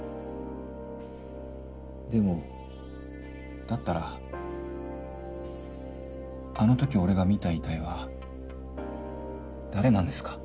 でもだったらあの時俺が見た遺体は誰なんですか？